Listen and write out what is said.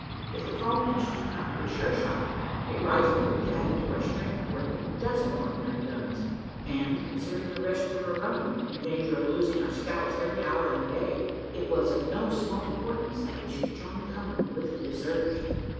If the tall man should turn out to be Sure shot, a rifle would be added to our strength worth a dozen ordinary guns; and, considering the risk we were running in danger of losing our scalps every hour in the day it was of no small importance that we should join company with the deserters.